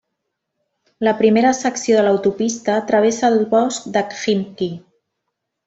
La primera secció de l'autopista travessa el bosc de Khimki.